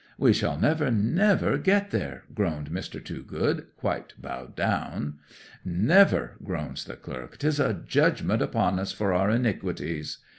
'"We shall never, never get there!" groaned Mr. Toogood, quite bowed down. '"Never!" groans the clerk. "'Tis a judgment upon us for our iniquities!"